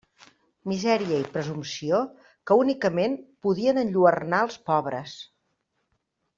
Misèria i presumpció que únicament podien enlluernar els pobres!